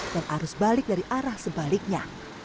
dan arus balik dari arah sebaliknya